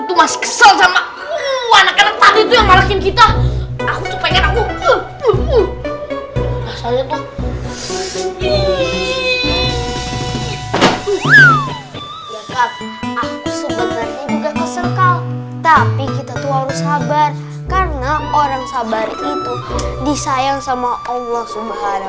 juga kesengkal tapi kita tuh harus sabar karena orang sabar itu disayang sama allah subhanahu